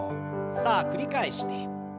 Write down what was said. さあ繰り返して。